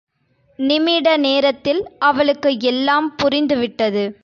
நிமிட நேரத்தில் அவளுக்கு எல்லாம் புரிந்து விட்டது.